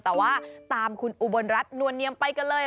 แต่ว่าตามคุณอุบลรัฐนวลเนียมไปกันเลย